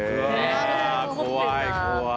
怖い怖い。